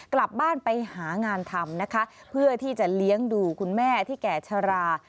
กลับบ้านไปหางานทำนะคะเพื่อที่จะเลี้ยงดูคุณแม่ที่แก่ชรา